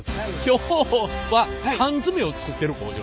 今日は缶詰を作ってる工場。